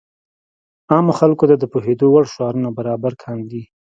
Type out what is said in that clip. عامو خلکو ته د پوهېدو وړ شعارونه برابر کاندي.